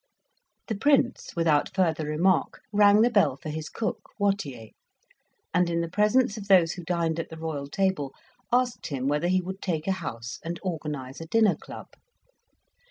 The Prince, without further remark, rang the bell for his cook, Wattier, and, in the presence of those who dined at the Royal table, asked him whether he would take a house and organize a dinner club.